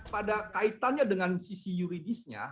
pada kaitannya dengan sisi yuridisnya